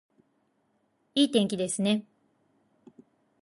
いい天気ですね